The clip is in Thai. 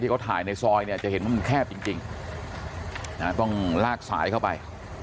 เขาถ่ายในซอยเนี่ยจะเห็นว่ามันแคบจริงต้องลากสายเข้าไป